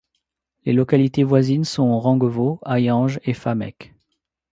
Les localités voisines sont Ranguevaux, Hayange et Fameck.